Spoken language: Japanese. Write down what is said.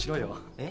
えっ？